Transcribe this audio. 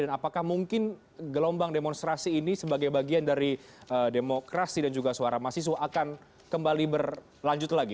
dan apakah mungkin gelombang demonstrasi ini sebagai bagian dari demokrasi dan juga suara mahasiswa akan kembali berlanjut lagi